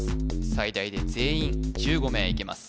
最大で全員１５名いけます